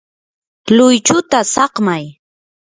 luychuta saqmay.